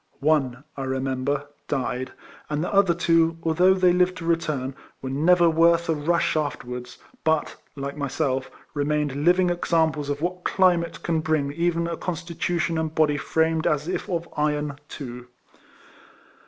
One, I remember, died ; and the other two, although they lived to return, were never worth a rush afterwards, but, like myself, remained living examples of what climate can bring even a constitution and body framed as if of iron to.